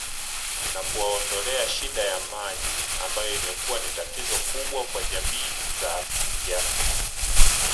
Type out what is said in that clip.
Na kuwaondolea shida ya maji ambayo imekuwa ni tatizo kubwa kwa jamii za kiafrika